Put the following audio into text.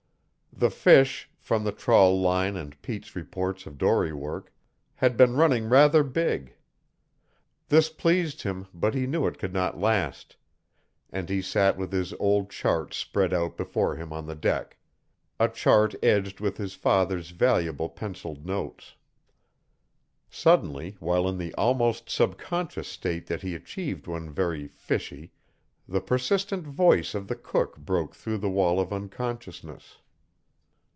The fish, from the trawl line and Pete's reports of dory work, had been running rather big. This pleased him, but he knew it could not last; and he sat with his old chart spread out before him on the deck a chart edged with his father's valuable penciled notes. Suddenly, while in the almost subconscious state that he achieved when very "fishy," the persistent voice of the cook broke through the wall of unconsciousness.